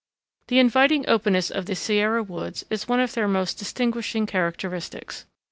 ] The inviting openness of the Sierra woods is one of their most distinguishing characteristics.